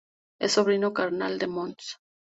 Es sobrino carnal de Mons.